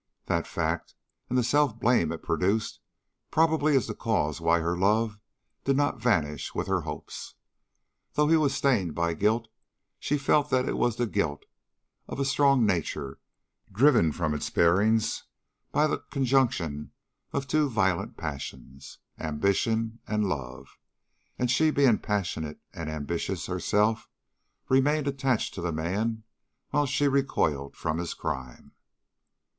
That fact, and the self blame it produced, probably is the cause why her love did not vanish with her hopes. Though he was stained by guilt, she felt that it was the guilt of a strong nature driven from its bearings by the conjunction of two violent passions, ambition and love; and she being passionate and ambitious herself, remained attached to the man while she recoiled from his crime.